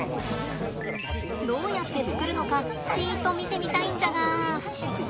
どうやって作るのかちぃと見てみたいんじゃが。